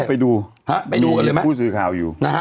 ไปดูกันหรือยังไหมมีผู้ซื้อข่าวอยู่